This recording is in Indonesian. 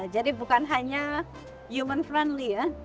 jadi bukan hanya human friendly ya